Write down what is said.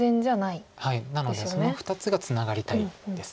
なのでその２つがツナがりたいんです。